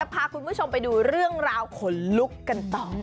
พาคุณผู้ชมไปดูเรื่องราวขนลุกกันต่อ